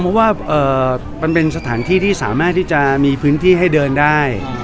เพราะว่ามันเป็นสถานที่ที่สามารถที่จะมีพื้นที่ให้เดินได้